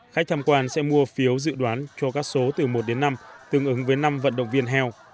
khách tham quan sẽ mua phiếu dự đoán cho các số từ một đến năm tương ứng với năm vận động viên heo